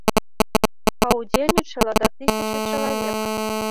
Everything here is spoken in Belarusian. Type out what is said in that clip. Паўдзельнічала да тысячы чалавек.